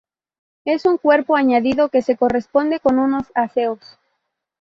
Es un cuerpo añadido que se corresponde con unos aseos.